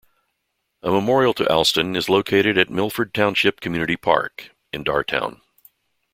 A memorial to Alston is located at Milford Township Community Park in Darrtown.